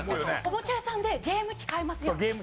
おもちゃ屋さんでゲーム機買えますよ。